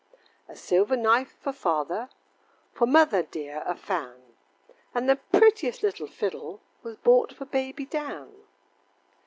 A silver knife for father, For mother, dear, a fan, And the prettiest little fiddle Was bought for baby Dan.